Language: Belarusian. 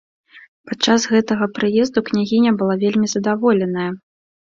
Падчас гэтага прыезду княгіня была вельмі задаволеная!